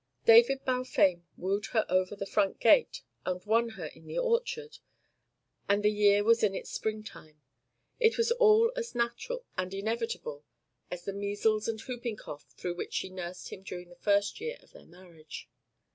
David Balfame wooed her over the front gate and won her in the orchard; and the year was in its springtime. It was all as natural and inevitable as the measles and whooping cough through which she nursed him during the first year of their marriage.